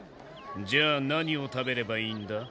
じゃあ何を食べればいいんだ？